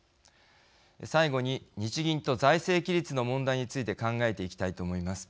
最後に日銀と財政規律の問題について考えていきたいと思います。